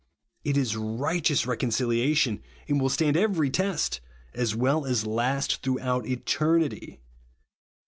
It is righteous reconciliation, and will stand every test, as well as last throughout eternity.